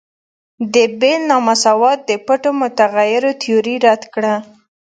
د بیل نا مساوات د پټو متغیرو تیوري رد کړه.